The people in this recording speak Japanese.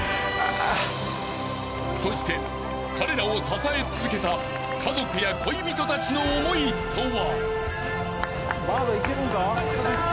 ［そして彼らを支え続けた家族や恋人たちの思いとは］